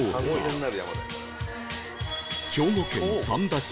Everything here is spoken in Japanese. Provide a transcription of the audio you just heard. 兵庫県三田市